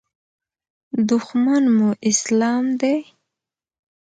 دښمن مو اسلام دی.